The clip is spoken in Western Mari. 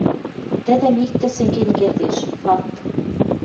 Тӹдӹм иктӹ сӹнген кердеш — факт.